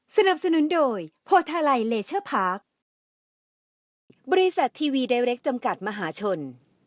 สนับสนุนโดยโพทาไลเลเชอร์พาร์คโทรบริษัททีวีไดเรคจำกัดมหาชน